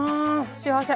幸せ。